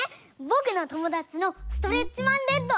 ぼくのともだちのストレッチマンレッド。